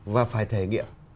và phải thể nghiệm